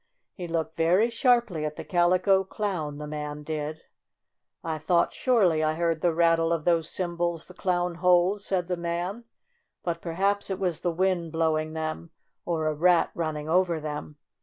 He looked very sharply at the Calico Clown, the man did. "I thought surely I heard the rattle of those cymbals the clown holds," said the man. 4 1 But perhaps it was the wind blow ing them, or a rat running over them.